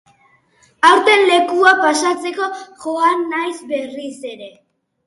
Aurten lekukoa pasatzeko joango naiz berriz ere.